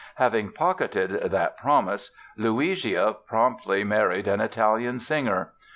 Having pocketed that "promise" Luigia promptly married an Italian singer!